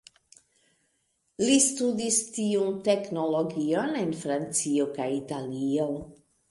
Li studis tiun teknologion en Francio kaj Italio.